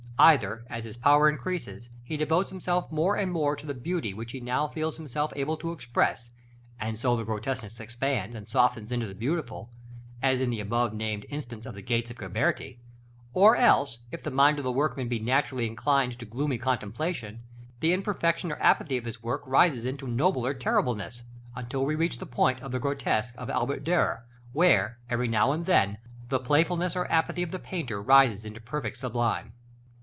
Either, as his power increases, he devotes himself more and more to the beauty which he now feels himself able to express, and so the grotesqueness expands, and softens into the beautiful, as in the above named instance of the gates of Ghiberti; or else, if the mind of the workman be naturally inclined to gloomy contemplation, the imperfection or apathy of his work rises into nobler terribleness, until we reach the point of the grotesque of Albert Durer, where, every now and then, the playfulness or apathy of the painter passes into perfect sublime.